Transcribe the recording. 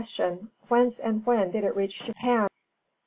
_Whence and when did it reach Japan?